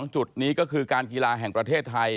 จุดนี้ก็คือการกีฬาแห่งประเทศไทย